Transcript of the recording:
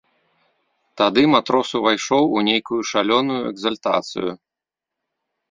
Тады матрос увайшоў у нейкую шалёную экзальтацыю.